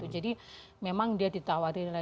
jadi memang dia ditawari